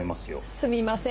すみません